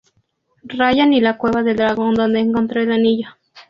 Ryan y la cueva del dragón donde encontró el anillo.